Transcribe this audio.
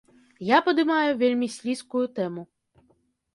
Я падымаю вельмі слізкую тэму.